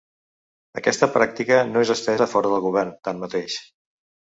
Aquesta pràctica no és estesa a fora del govern, tanmateix.